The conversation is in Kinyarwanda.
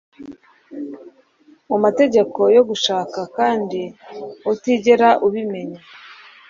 Mu mategeko yo gushaka kandi utigera ubimenya